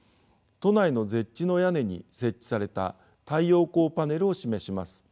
都内のＺＥＨの屋根に設置された太陽光パネルを示します。